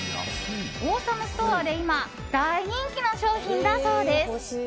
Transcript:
オーサムストアで今大人気の商品だそうです。